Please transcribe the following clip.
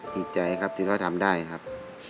ดีใจครับที่เขาทำได้ครับ